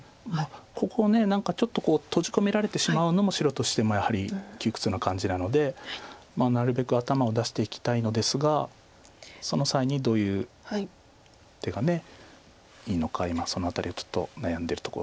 ここ何かちょっと閉じ込められてしまうのも白としてもやはり窮屈な感じなのでなるべく頭を出していきたいのですがその際にどういう手がいいのか今その辺りをちょっと悩んでるところ。